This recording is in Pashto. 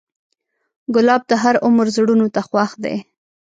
ګلاب د هر عمر زړونو ته خوښ دی.